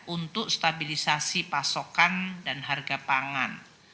untuk stabilisasi pasokan dan harga pangan